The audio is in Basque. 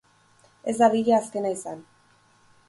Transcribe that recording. Ez dadila azkena izan.